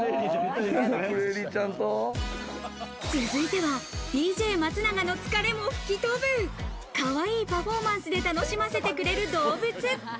続いては、ＤＪ松永の疲れも吹き飛ぶ、かわいいパフォーマンスで楽しませてくれる動物。